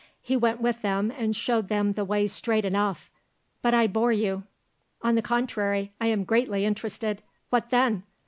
He went with them and showed them the way straight enough, but I bore you?" "On the contrary, I am greatly interested; what then?"